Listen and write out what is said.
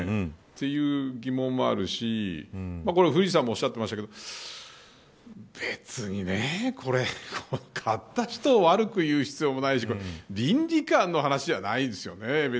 という疑問もあるし古市さんもおっしゃいましたが別に買った人を悪く言う必要もないし倫理感の話ではないですよね。